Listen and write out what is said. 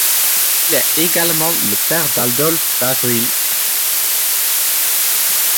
Il est également le père d'Adolphe d'Avril.